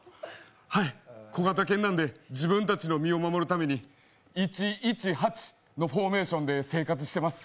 はい、小型犬なんで、自分たちの身を守るために１・１・８のフォーメーションで生活してます。